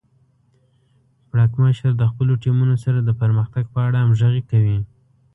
پړکمشر د خپلو ټیمونو سره د پرمختګ په اړه همغږي کوي.